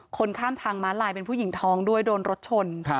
คนข้ามทางม้าลายเป็นผู้หญิงท้องด้วยโดนรถชน